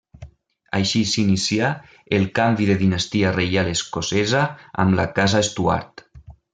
Així s'inicià el canvi de dinastia reial escocesa amb la casa Estuard.